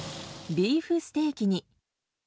ビーフステーキに。